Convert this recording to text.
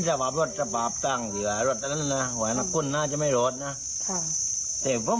จะไม่รอดนะยังก็ไม่เพิ่ง